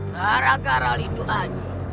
gara gara lindu aja